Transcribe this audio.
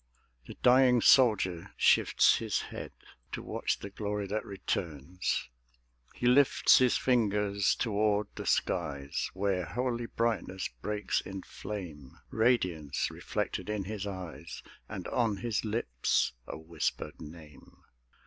The dying soldier shifts his head To watch the glory that returns: He lifts his fingers toward the skies Where holy brightness breaks in flame; Radiance reflected in his eyes, And on his lips a whispered name.